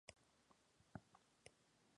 La parte central del cuerpo es abultada.